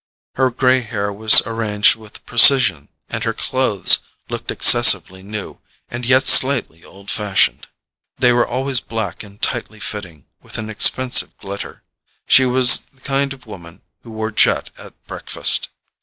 Her grey hair was arranged with precision, and her clothes looked excessively new and yet slightly old fashioned. They were always black and tightly fitting, with an expensive glitter: she was the kind of woman who wore jet at breakfast.